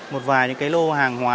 một vài cái lô hàng hóa